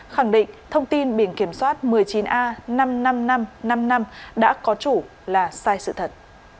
khẳng định thông tin biển kiểm soát một mươi chín a năm mươi năm nghìn năm trăm năm mươi năm đã có chủ là sai sự thật